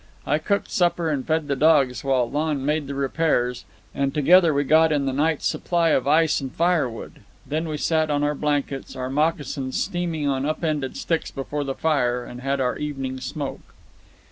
I cooked supper and fed the dogs while Lon made the repairs, and together we got in the night's supply of ice and firewood. Then we sat on our blankets, our moccasins steaming on upended sticks before the fire, and had our evening smoke.